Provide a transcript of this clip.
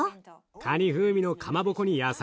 カニ風味のかまぼこに野菜。